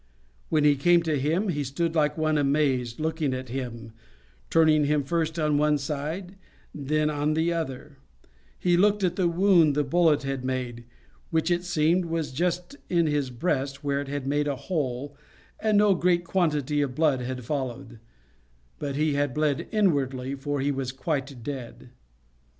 When he came to him, he stood like one amazed, looking at him, turning him first on one side, then on the other; looked at the wound the bullet had made, which it seems was just in his breast, where it had made a hole, and no great quantity of blood had followed; but he had bled inwardly, for he was quite dead.